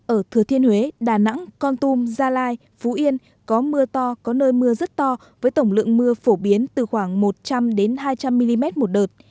ở thừa thiên huế đà nẵng con tum gia lai phú yên có mưa to có nơi mưa rất to với tổng lượng mưa phổ biến từ khoảng một trăm linh hai trăm linh mm một đợt